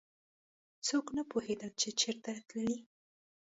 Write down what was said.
څوک نه پوهېدل چې چېرته تللی.